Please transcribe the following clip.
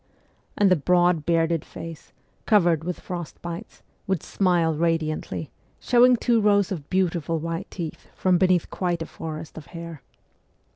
And the broad, bearded face, covered with frost bites, would smile radiantly, showing two rows of beautiful white teeth from beneath quite a forest of hair.